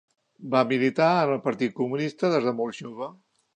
Va militar en el Partit Comunista des de molt jove.